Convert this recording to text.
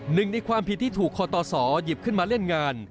หนึ่งในความผิดที่ถูกคอตสอหยิบขึ้นมาเล่นงาน